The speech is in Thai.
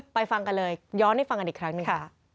ฟังกันเลยย้อนให้ฟังกันอีกครั้งหนึ่งค่ะ